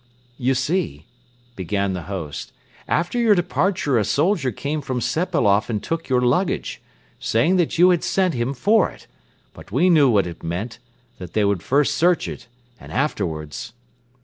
"You see," began the host, "after your departure a soldier came from Sepailoff and took your luggage, saying that you had sent him for it; but we knew what it meant that they would first search it and afterwards.